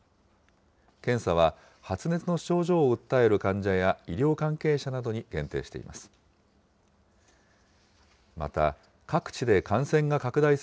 検査は発熱の症状を訴える患者や医療関係者などに限定しています。